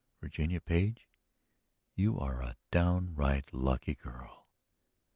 Virginia Page, you are a downright lucky girl!"